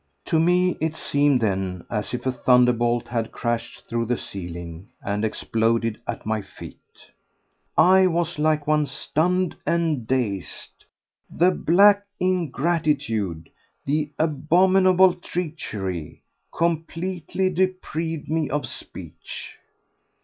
To me it seemed then as if a thunderbolt had crashed through the ceiling and exploded at my feet. I was like one stunned and dazed; the black ingratitude, the abominable treachery, completely deprived me of speech.